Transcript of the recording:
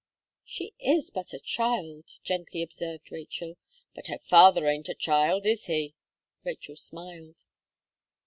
"She is but a child," gently observed Rachel. "But her father ain't a child, is he?" Rachel smiled.